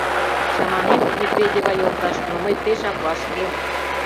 — Чаманем, Медведева йолташ, но мый пешак вашкем.